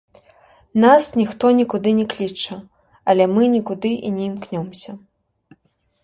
Нас ніхто нікуды не кліча, але мы нікуды і не імкнёмся.